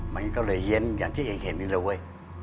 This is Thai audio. มันก็เลยเย็นอย่างที่แห่งเห็นนี้เลยเว้ย